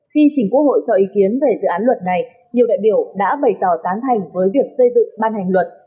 khi chỉnh quốc hội cho ý kiến về dự án luật này nhiều đại biểu đã bày tỏ tán thành với việc xây dựng ban hành luật